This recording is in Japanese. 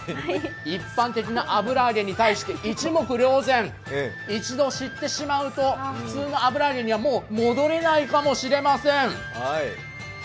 一般的な油揚げに対して一目瞭然、一度知ってしまうと、普通の油揚げにはもう戻れないかもしれません。